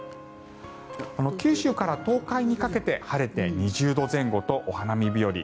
九州から東海にかけて晴れて２０度前後とお花見日和。